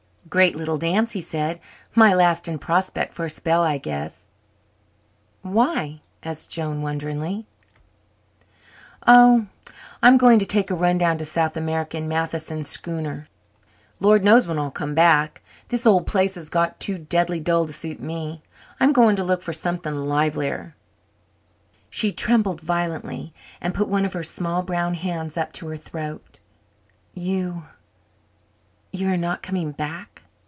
"Great little dance," he said. "My last in Prospect for a spell, I guess." "Why?" asked Joan wonderingly. "Oh, I'm going to take a run down to South America in Matheson's schooner. Lord knows when I'll come back. This old place has got too deadly dull to suit me. I'm going to look for something livelier." Joan's lips turned ashen under the fringes of her white fascinator. She trembled violently and put one of her small brown hands up to her throat. "You you are not coming back?"